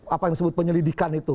apa yang disebut penyelidikan itu